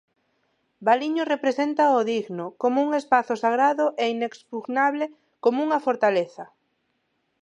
Baliño represéntao digno como un espazo sagrado e inexpugnable como unha fortaleza.